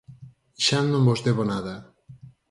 xa non vos debo nada.